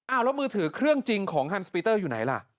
แล้วมือถือเครื่องจริงของฮันสปีเตอร์อยู่ไหนล่ะ